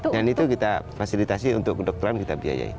dan itu kita fasilitasi untuk kedokteran kita biayai